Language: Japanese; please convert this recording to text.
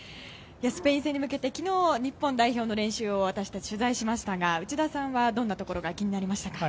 スペイン戦に向けて昨日、日本代表の練習を私たち、取材しましたが内田さんはどんなところ気になりましたか？